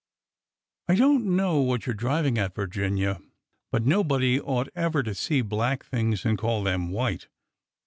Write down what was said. " I don't know what you are driving at, Virginia, but FIGHTING WITHOUT 255 nobody ought ever to see black things and call them white.